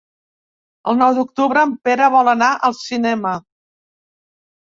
El nou d'octubre en Pere vol anar al cinema.